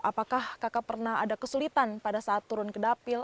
apakah kakak pernah ada kesulitan pada saat turun ke dapil